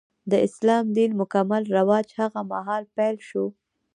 د اسلام دین مکمل رواج هغه مهال پیل شو.